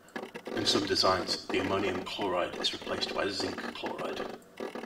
In some designs, the ammonium chloride is replaced by zinc chloride.